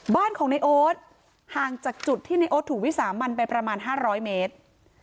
บ้านของในโอ๊ตห่างจากจุดที่ในโอ๊ตถูกวิสามันไปประมาณ๕๐๐เมตร